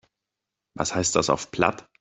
Was heißt das auf Platt?